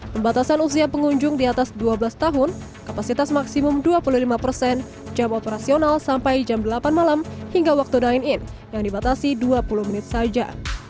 pembatasan usia pengunjung di atas dua belas tahun kapasitas maksimum dua puluh lima persen jam operasional sampai jam delapan malam hingga waktu dine in yang dibatasi dua puluh menit saja